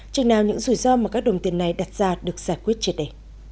chừng nào những rủi ro mà các đồng tiền này đặt ra được giải quyết triệt đề